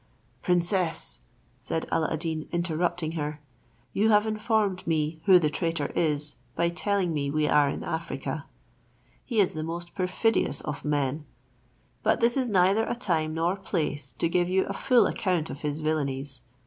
"Princess," said Alla ad Deen, interrupting her, "you have informed me who the traitor is, by telling me we are in Africa. He is the most perfidious of men; but this is neither a time nor place to give you a full account of his villanies.